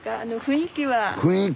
雰囲気は。